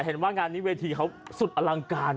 เห็นว่างานนี้เวทีเขาสุดอลังการ